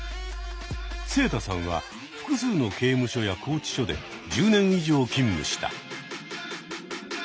セイタさんは複数の刑務所や拘置所で１０年以上勤務した。